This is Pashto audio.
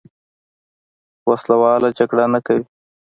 وسله واله جګړه نه کوي.